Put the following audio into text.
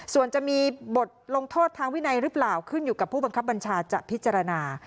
ส่วนจะมีบทลงโทษทางวินัยหรือเปล่าขึ้นอยู่กับผู้บังคับบัญชาจะพิจารณา